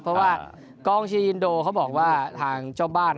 เพราะว่ากองเชียร์อินโดเขาบอกว่าทางเจ้าบ้าน